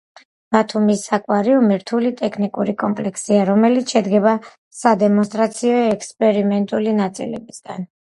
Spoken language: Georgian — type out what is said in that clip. ბათუმის აკვარიუმი რთული ტექნიკური კომპლექსია, რომელიც შედგება სადემონსტრაციო და ექსპერიმენტული ნაწილებისაგან.